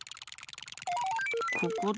ここで？